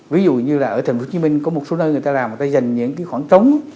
ví dụ như là ở tp hcm có một số nơi người ta làm người ta dành những cái khoản trống